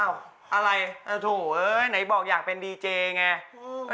อะไรนายบอกอยากเป็นดีเจขนาดนี้ไง